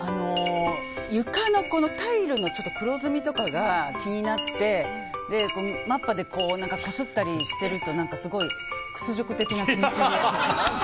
床のタイルの黒ずみとかが気になって、真っ裸でこすったりしてると屈辱的な気持ちに。